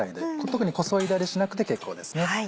特にこそいだりしなくて結構です。